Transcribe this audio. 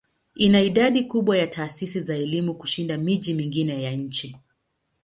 Ina idadi kubwa ya taasisi za elimu kushinda miji mingine ya nchi.